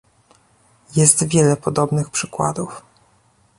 Jest wiele podobnych przykładów